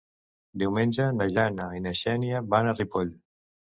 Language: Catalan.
Diumenge na Jana i na Xènia van a Ripoll.